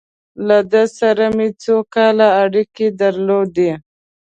له ده سره مې څو کاله اړیکې درلودې.